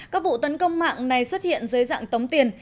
các vụ tấn công mạng này xuất hiện dưới dạng tống tiền